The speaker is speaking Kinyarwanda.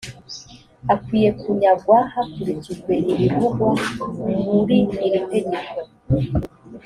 akwiye kunyagwa hakurikijwe ibivugwa muri iri tegeko